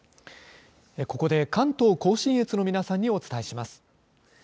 ここで関東甲信越の皆さんにお伝えします。